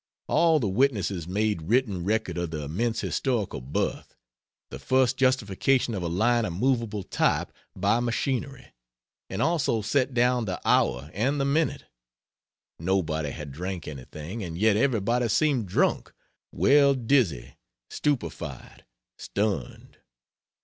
All the witnesses made written record of the immense historical birth the first justification of a line of movable type by machinery and also set down the hour and the minute. Nobody had drank anything, and yet everybody seemed drunk. Well dizzy, stupefied, stunned.